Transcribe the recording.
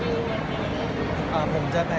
มีโครงการทุกทีใช่ไหม